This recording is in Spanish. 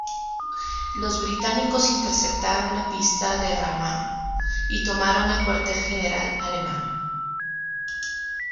Los británicos interceptaron la pista de Rahman y tomaron el cuartel general alemán.